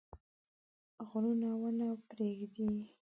غرونه ونه پرېږده.